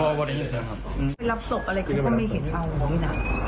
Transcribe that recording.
ไปรับศพอะไรเขาก็ไม่เห็นเราบอกแบบนี้หนัก